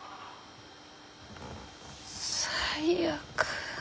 最悪。